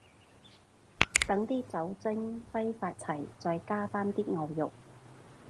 等啲酒精揮發齊，再加返啲牛肉